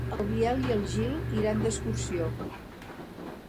Per Cap d'Any en Biel i en Gil iran d'excursió.